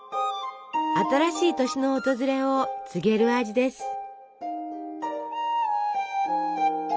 新しい年の訪れを告げる味です。